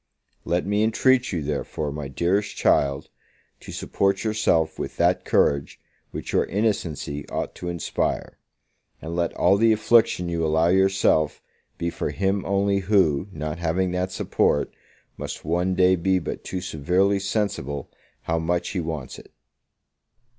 Let me intreat you, therefore, my dearest child, to support yourself with that courage which your innocency ought to inspire: and let all the affliction you allow yourself be for him only who, not having that support, must one day be but too severely sensible how much he wants it.